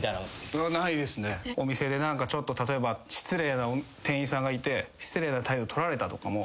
お店でちょっと例えば失礼な店員さんがいて失礼な態度とられたとかも。